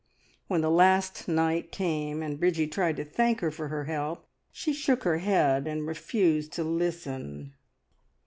When the last night came, and Bridgie tried to thank her for her help, she shook her head and refused to listen.